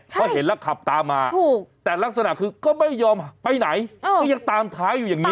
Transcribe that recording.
เพราะเห็นแล้วขับตามมาแต่ลักษณะคือก็ไม่ยอมไปไหนก็ยังตามท้ายอยู่อย่างนี้